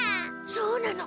そうなの。